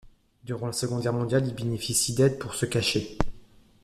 Durant la Seconde Guerre mondiale, ils bénéficient d'aides pour se cacher.